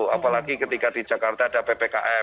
apalagi ketika di jakarta ada ppkm